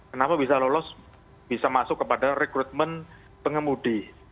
kenapa bisa lolos bisa masuk kepada rekrutmen pengemudi